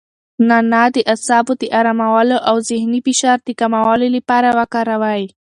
نعناع د اعصابو د ارامولو او د ذهني فشار د کمولو لپاره وکاروئ.